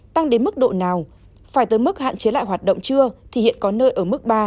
tăng đến mức độ nào phải tới mức hạn chế lại hoạt động chưa thì hiện có nơi ở mức ba